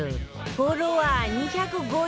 フォロワー２５８万人！